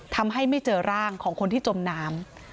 ไม่เจอร่างของคนที่จมน้ำ